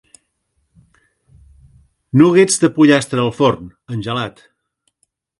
Nuggets de pollastre al forn, amb gelat.